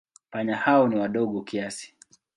Panya hao ni wadogo kiasi.